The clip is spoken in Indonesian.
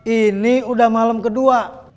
ini udah malam kedua